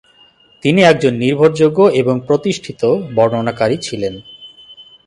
তিনি একজন নির্ভরযোগ্য এবং প্রতিষ্ঠিত বর্ণনাকারী ছিলেন।